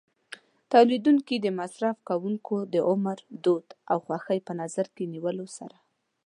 تولیدوونکي د مصرف کوونکو د عمر، دود او خوښۍ په نظر کې نیولو سره.